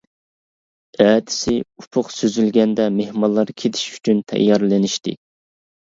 ئەتىسى ئۇپۇق سۈزۈلگەندە مېھمانلار كېتىش ئۈچۈن تەييارلىنىشتى.